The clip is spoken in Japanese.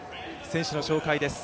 選手の紹介です。